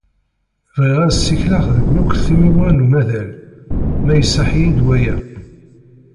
Bɣiɣ ad ssikleɣ deg wakk timiwa n umaḍal, ma iṣaḥ-iyi-d waya.